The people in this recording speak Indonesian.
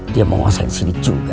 dia mau ngasih di sini juga